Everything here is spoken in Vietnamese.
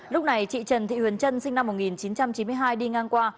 lúc này chị trần thị huyền trân sinh năm một nghìn chín trăm chín mươi hai đi ngang qua